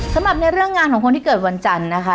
สำหรับในเรื่องงานของคนที่เกิดวันจันทร์นะคะ